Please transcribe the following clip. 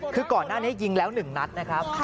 คือก่อนหน้านี้ยิงแล้ว๑นัดนะครับ